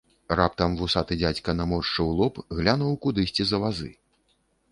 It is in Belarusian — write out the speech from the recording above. Раптам вусаты дзядзька наморшчыў лоб, глянуў кудысьці за вазы.